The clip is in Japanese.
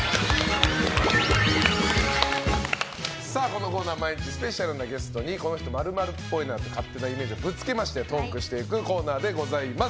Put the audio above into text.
このコーナーは、毎日スペシャルなゲストにこの人○○っぽいという勝手なイメージをぶつけましてトークしていくコーナーでございます。